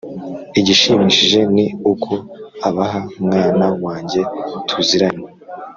Igishimishije ni uko Abaha Mwana wanjye tuziranye